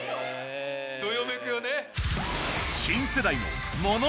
どよめくよね。